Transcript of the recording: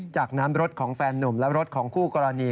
จากน้ำรถของแฟนนุ่มและรถของคู่กรณี